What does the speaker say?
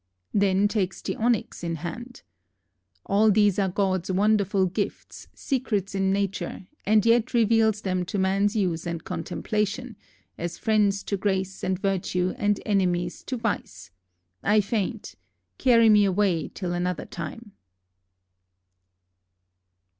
—Then takes the onex in hand.—"All these are Gods wonderfull guifts, secreats in natur, and yet revells [reveals] them to mans use and contemplacion, as frendes to grace and vertue and enymies to vice. I fainte, carie me awaye till an other tyme."